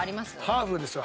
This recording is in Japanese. ハーフですよ